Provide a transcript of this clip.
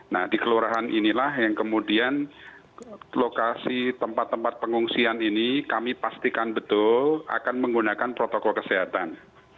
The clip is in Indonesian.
nah di kelurahan inilah yang kemudian lokasi tempat tempat pengungsian ini kami pastikan betul akan menggunakan protokol kesehatan